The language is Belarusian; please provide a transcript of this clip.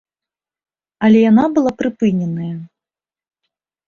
Але яна была прыпыненая.